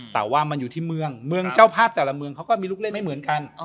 แต่ว่ามันอยู่ที่เมืองเมืองเจ้าภาพแต่ละเมืองเขาก็มีลูกเล่นไม่เหมือนกัน